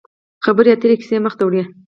خبرې اترې کیسه مخ ته وړي.